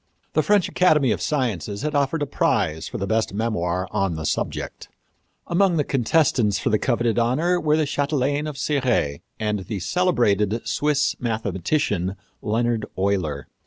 The French Academy of Sciences had offered a prize for the best memoir on the subject. Among the contestants for the coveted honor were the chatelaine of Cirey and the celebrated Swiss mathematician, Leonard Euler.